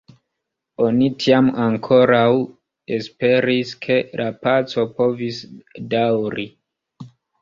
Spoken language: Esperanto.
Oni tiam ankoraŭ esperis, ke la paco povis daŭri.